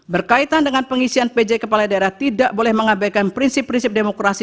berkaitan dengan pengisian pj kepala daerah tidak boleh mengabaikan prinsip prinsip demokrasi